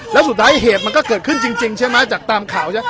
และสุดท้ายเหตุมันก็เกิดขึ้นจริงจริงใช่ไหมจากตามข่าวจ๊ะ